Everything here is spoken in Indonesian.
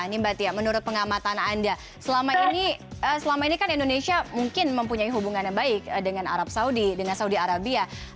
ini mbak tia menurut pengamatan anda selama ini selama ini kan indonesia mungkin mempunyai hubungan yang baik dengan arab saudi dengan saudi arabia